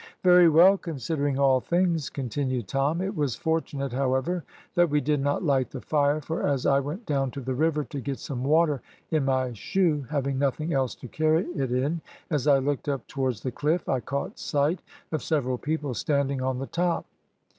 "Very well, considering all things," continued Tom; "it was fortunate, however, that we did not light the fire, for as I went down to the river to get some water in my shoe, having nothing else to carry it in, as I looked up towards the cliff I caught sight of several people standing on the top.